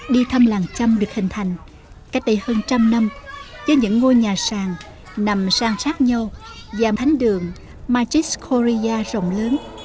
đi thăm làng châm được hình thành cách đây hơn trăm năm với những ngôi nhà sàng nằm sang sát nhau và thánh đường magis korea rộng lớn